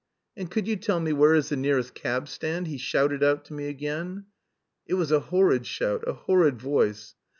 "And could you tell me where is the nearest cab stand?" he shouted out to me again. It was a horrid shout! A horrid voice!